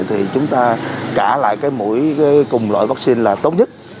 thì chúng ta trả lại cái mũi cùng loại vaccine là tốt nhất